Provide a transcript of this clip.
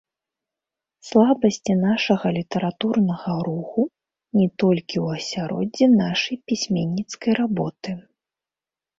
Слабасці нашага літаратурнага руху не толькі ў асяроддзі нашай пісьменніцкай работы.